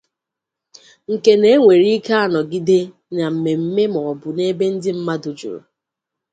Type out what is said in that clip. nke na e nwere ike a nọgide na mmemme maọbụ n'ebe ndị mmadụ juru